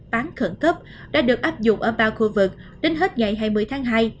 bán khẩn cấp đã được áp dụng ở ba khu vực đến hết ngày hai mươi tháng hai